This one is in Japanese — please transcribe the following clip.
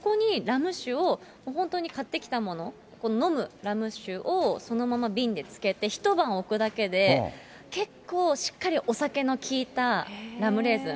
そこにラム酒を本当に買ってきたもの、飲むラム酒をそのまま瓶に漬けて、一晩置くだけで、結構しっかりお酒の効いたラムレーズン。